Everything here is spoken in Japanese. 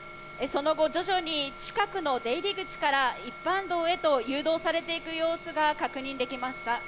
その後、徐々に近くの出入口から一般道へと誘導されていく様子が確認できました。